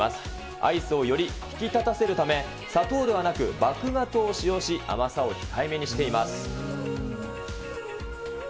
アイスをより引き立たせるため、砂糖ではなく麦芽糖を使用し、甘さを控えめにしています。